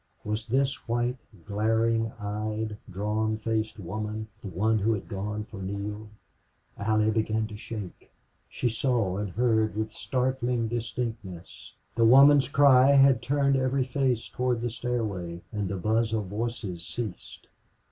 Was this white, glaring eyed, drawn faced woman the one who had gone for Neale? Allie began to shake. She saw and heard with startling distinctness. The woman's cry had turned every face toward the stairway, and the buzz of voices ceased.